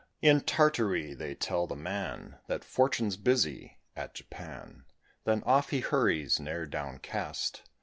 In Tartary they tell the man That Fortune's busy at Japan: Then off he hurries, ne'er downcast.